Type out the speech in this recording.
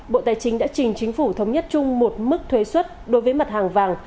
bộ tài chính đã trình chính phủ thống nhất chung một mức thuế xuất đối với mặt hàng vàng